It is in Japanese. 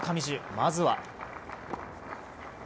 まずは。